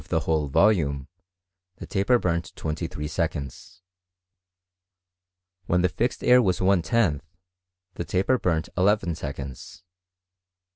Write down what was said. i the whole volume tlie taper burnt twenty three se^ eonds. When the fixed air was 1 lOth, the taper burnt eleven seconds.